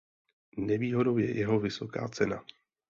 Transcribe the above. Nevýhodou je jeho vysoká cena.